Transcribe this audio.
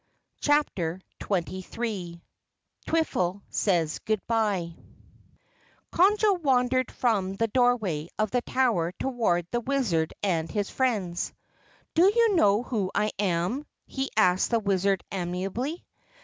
CHAPTER 23 Twiffle Says Goodbye Conjo wandered from the doorway of the tower toward the Wizard and his friends. "Do you know who I am?" he asked the Wizard amiably.